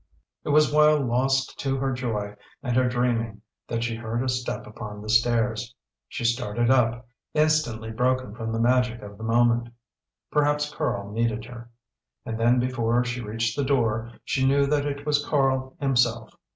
It was while lost to her joy and her dreaming that she heard a step upon the stairs. She started up instantly broken from the magic of the moment. Perhaps Karl needed her. And then before she reached the door she knew that it was Karl himself.